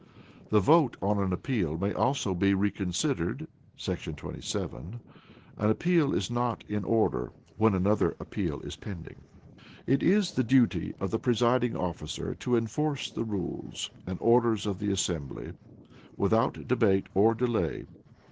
The vote on an Appeal may also be reconsidered [§ 27]. An Appeal is not in order when another Appeal is pending. It is the duty of the presiding officer to enforce the rules and orders of the assembly, without debate or delay.